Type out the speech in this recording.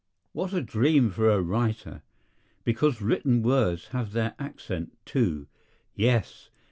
What a dream for a writer! Because written words have their accent, too. Yes!